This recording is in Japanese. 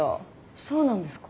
そうなんですか？